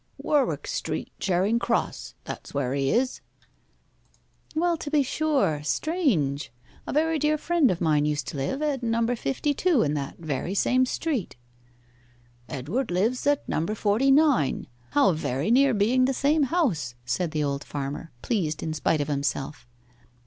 'Warwick Street, Charing Cross that's where he is.' 'Well, to be sure strange! A very dear friend of mine used to live at number fifty two in that very same street.' 'Edward lives at number forty nine how very near being the same house!' said the old farmer, pleased in spite of himself.